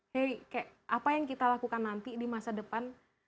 heri kayak apa yang kita lakukan nanti di masa depan